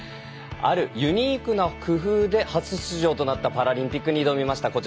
あるユニークな工夫で初出場となったパラリンピックに挑みました。